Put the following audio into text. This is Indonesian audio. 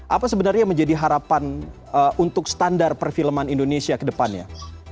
apa sebenarnya yang menjadi harapan untuk standar perfilman indonesia ke depannya